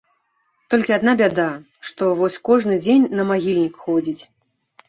Толькі адна бяда, што вось кожны дзень на магільнік ходзіць.